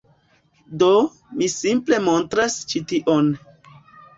Do, mi simple montras ĉi tion